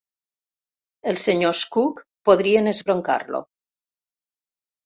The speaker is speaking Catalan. Els senyors Cook podrien esbroncar-lo.